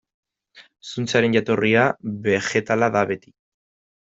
Zuntzaren jatorria begetala da beti.